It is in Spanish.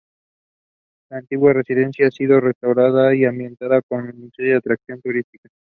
La antigua residencia ha sido restaurada y abierta como museo y atracción turística.